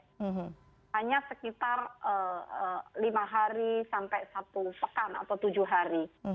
hanya sekitar lima hari sampai satu pekan atau tujuh hari